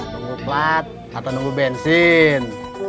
nunggu plat atau nunggu bensin